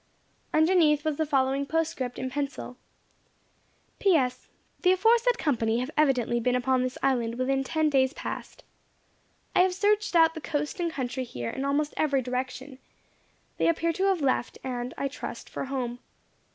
Underneath was the following postscript in pencil: "P.S. The aforesaid company have evidently been upon this island within ten days past. I have searched the coast and country here in almost every direction. They appear to have left, and I trust for home.